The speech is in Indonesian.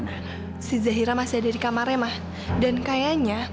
nggak cocok kan